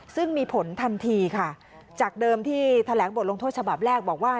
ซึ่งมีผลทันทีค่ะจากเดิมที่แถลงบทลงโทษฉบับแรกบอกว่า